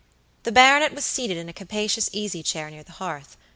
The baronet was seated in a capacious easy chair near the hearth.